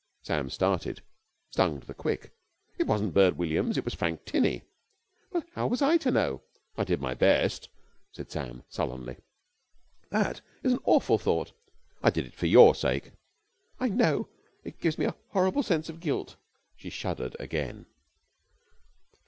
Sam started, stung to the quick. "It wasn't Bert Williams. It was Frank Tinney!" "Well, how was I to know?" "I did my best," said Sam sullenly. "That is the awful thought." "I did it for your sake." "I know. It gives me a horrible sense of guilt." She, shuddered again.